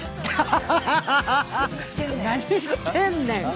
何してんねん。